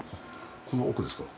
この奥ですか？